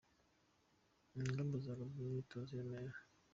Ingimbi za Gabon mu myitozo i Remera.